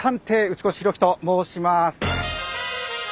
打越裕樹と申します！